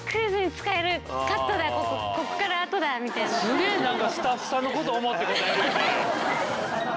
すげえ何かスタッフさんのこと思って答えるよね！